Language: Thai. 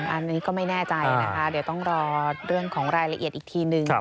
อันนี้ก็ไม่แน่ใจนะคะเดี๋ยวต้องรอเรื่องของรายละเอียดอีกทีนึง